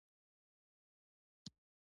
تودوخه د افغانستان د موسم د بدلون سبب کېږي.